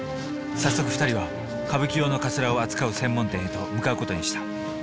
早速二人は歌舞伎用のかつらを扱う専門店へと向かう事にした。